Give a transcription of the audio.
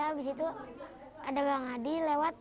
habis itu ada bang adi lewat